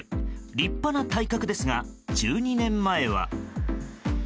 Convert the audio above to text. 立派な体格ですが１２年前は。